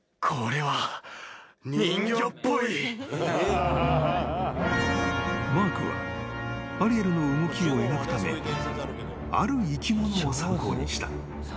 あ［マークはアリエルの動きを描くためある生き物を参考にした。